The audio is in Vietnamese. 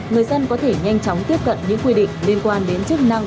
người dân có thể nhanh chóng tiếp cận những quy định liên quan đến chức năng